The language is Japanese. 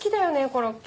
コロッケ。